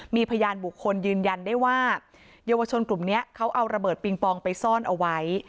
มีพยานบุคคลยืนยันได้ว่าเยาวชนกลุ่มนี้เขาเอาระเบิดปิงปองไปซ่อนเอาไว้